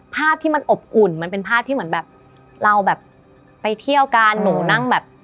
ภาพที่มันอบอุ่นมันเป็นภาพที่เหมือนแบบเราแบบไปเที่ยวกันหนูนั่งแบบ